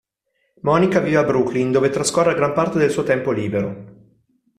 Monica vive a Brooklyn, dove trascorre gran parte del suo tempo libero.